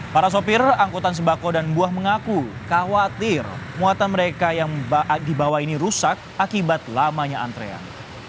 para sopir angkutan sembako dan buah mengaku khawatir muatan mereka yang dibawa ini rusak akibat lamanya antrean